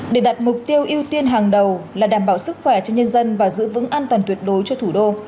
để đặt mục tiêu ưu tiên hàng đầu là đảm bảo sức khỏe cho nhân dân và giữ vững an toàn tuyệt đối cho thủ đô